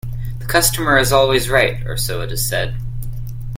The customer is always right, or so it is said